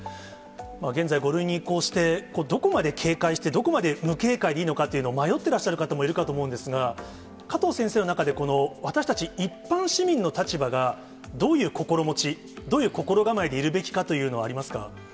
現在、５類に移行して、どこまで警戒して、どこまで無警戒でいいのかっていうのを迷ってらっしゃる方もいるかと思うんですが、加藤先生の中で、私たち一般市民の立場が、どういう心持ち、どういう心構えでいるべきかというのはありますか。